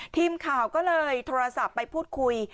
ทีมข่าวก็เลยโทรศัพท์ไปพูดคุย